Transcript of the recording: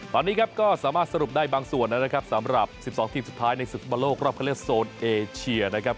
ตอนนี้ครับก็สามารถสรุปได้บางส่วนนะครับสำหรับ๑๒ทีมสุดท้ายในศึกฟุตบอลโลกรอบคันเลือกโซนเอเชียนะครับ